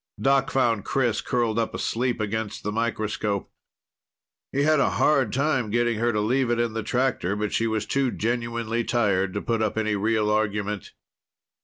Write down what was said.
Doc found Chris curled up asleep against the microscope. He had a hard time getting her to leave it in the tractor, but she was too genuinely tired to put up any real argument.